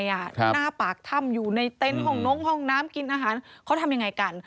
หน้าปากถ้ำอยู่ในเต็นต์ห้องนงห้องน้ำกินอาหารเขาทำยังไงกัน